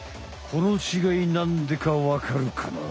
この違いなんでかわかるかな？